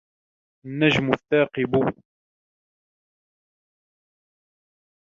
النَّجْمُ الثَّاقِبُ